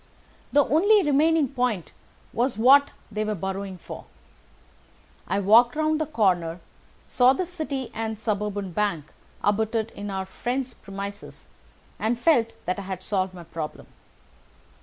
The only remaining point was what they were burrowing for. I walked round the corner, saw the City and Suburban Bank abutted on our friend's premises, and felt that I had solved my problem.